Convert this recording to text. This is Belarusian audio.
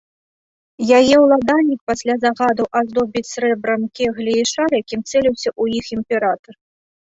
Яе ўладальнік пасля загадаў аздобіць срэбрам кеглі і шар, якім цэліўся ў іх імператар.